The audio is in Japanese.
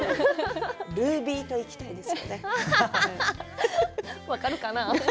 ルービーと一緒にいきたいですね。